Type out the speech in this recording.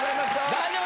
大丈夫？